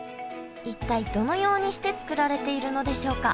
一体どのようにして作られているのでしょうか。